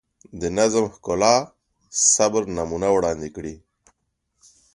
د نظم، ښکلا، صبر نمونه وړاندې کړي.